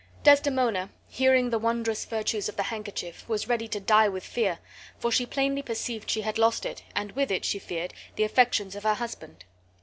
Desdemona, hearing the wondrous virtues of the handkerchief, was ready to die with fear, for she plainly perceived she had lost it, and with it, she feared, the affections of her husband.